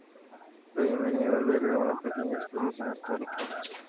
La vivienda alberga una pequeña exposición histórica.